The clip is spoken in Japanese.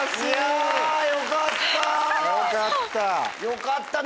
よかった。